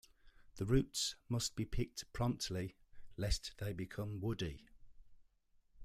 The roots must be picked promptly lest they become woody.